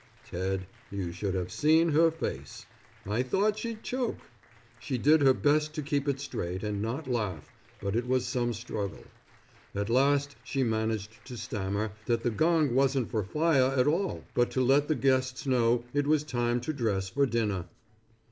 Ted, you should have seen her face. I thought she'd choke. She did her best to keep it straight, and not laugh, but it was some struggle. At last she managed to stammer, that the gong wasn't for fire at all, but to let the guests know it was time to dress for dinner.